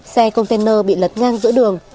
xe container bị lật ngang giữa đường